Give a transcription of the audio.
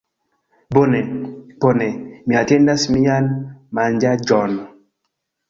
Bone, bone, mi atendas mian... manĝaĵon?